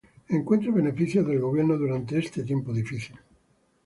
Encuentre beneficios del gobierno durante este tiempo difícil.